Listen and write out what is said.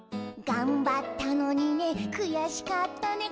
「がんばったのにねくやしかったね」